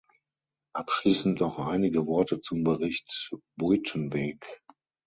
Abschließend noch einige Worte zum Bericht Buitenweg.